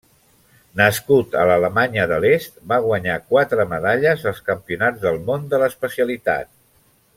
Nascut a l'Alemanya de l'Est, va guanyar quatre medalles als Campionats del món de l'especialitat.